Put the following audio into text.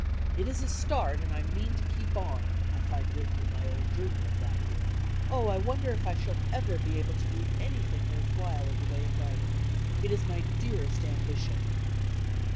"It is a start, and I mean to keep on," I find written in my old ioumai of that year. "Oh, I wonder if I shall ever be able to do anything worth while in the way of wridng. It is my dearest ambition."